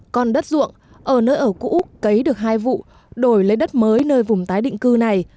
còn đất ruộng ở nơi ở cũ cấy được hai vụ đổi lấy đất mới nơi vùng tái định cư này